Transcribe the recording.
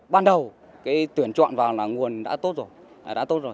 ban đầu tuyển chọn vào là nguồn đã tốt rồi